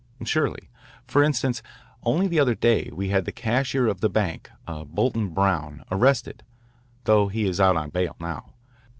"Surely. For instance, only the other day we had the cashier of the bank, Bolton Brown, arrested, though he is out on bail now.